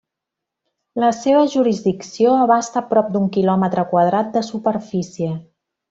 La seva jurisdicció abasta prop d'un quilòmetre quadrat de superfície.